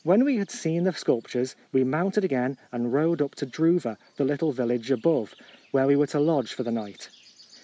When we had seen the sculptures, we mounted again and rode up to Druva, the little village above, where we were to lodge for the night.